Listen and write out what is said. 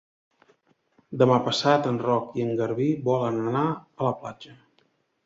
Demà passat en Roc i en Garbí volen anar a la platja.